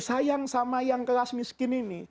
sayang sama yang kelas miskin ini